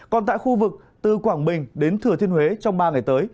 còn tại khu vực từ quảng bình đến thừa thiên huế trong ba ngày tới